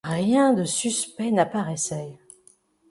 Rien de suspect n’apparaissait